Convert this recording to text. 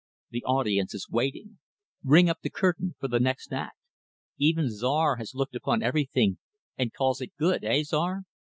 The audience is waiting. Ring up the curtain for the next act. Even Czar has looked upon everything and calls it good heh Czar?"